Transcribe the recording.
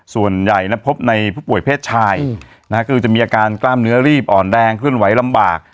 ส่วนใหญ่พบในผู้ป่วยเพศชายคือจะมีอาการกล้ามเนื้อรีบอ่อนแรงเคลื่อนไหวลำบาก